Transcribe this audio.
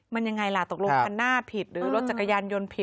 มันยังไงล่ะตกลงคันหน้าผิดหรือรถจักรยานยนต์ผิด